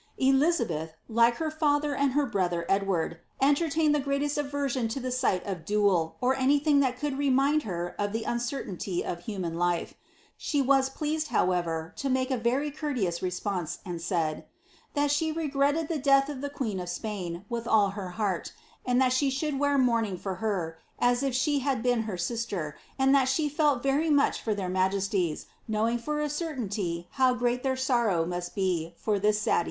Elizabeth, like her father and her brother Edward, entertained the greatest aversion to the light of ^ doole," or anything that could remind her of the uncertainty of human life.* She was pleased, however, to make a very courteous response, and said, ^ that she regretted the death of the queen of Spain with all her heart, and that she should wear mourning for her, as if she had been her sister, and that she felt very much for their majesties, knowing for a certainty how great their sorrow must be for this sad e?